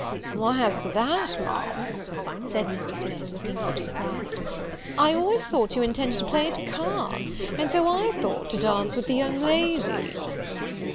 "Why, as to that, Ma'am," said Mr. Smith, looking much surprised, "I always thought you intended to play at cards, and so I thought to dance with the young lady."